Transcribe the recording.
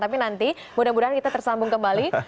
tapi nanti mudah mudahan kita tersambung kembali